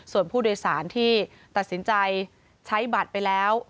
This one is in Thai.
ส่วนผู้โดยสารที่ตัดสินใจใช้บัตรไปแล้ว